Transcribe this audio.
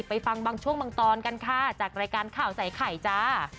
ฟังบางช่วงบางตอนกันค่ะจากรายการข่าวใส่ไข่จ้า